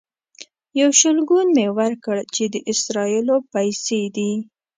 یو شلګون مې ورکړ چې د اسرائیلو پیسې دي.